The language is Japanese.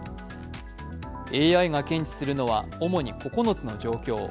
ＡＩが検知するのは主に９つの状況。